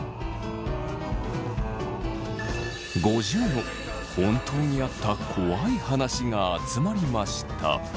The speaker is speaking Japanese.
５０の本当にあった怖い話が集まりました。